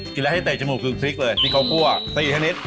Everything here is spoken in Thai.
กินแล้วให้เตะจมูกคือคลิกเลยมีกล้าวกล้วตะกินแค่นิด